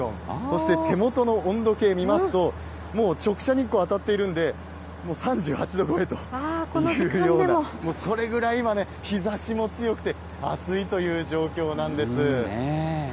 そして手元の温度計見ますと、もう直射日光当たっているんで、もう３８度超えというような、もうそれぐらい、日ざしも強くて、暑いという状況なんです。